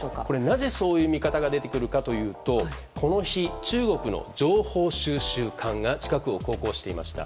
なぜ、そういう見方が出てくるかというとこの日、中国の情報収集艦が近くを航行していました。